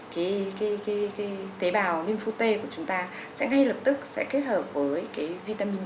cái tế bào lympho t của chúng ta sẽ ngay lập tức sẽ kết hợp với cái vitamin d